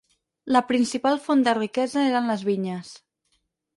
La principal font de riquesa eren les vinyes.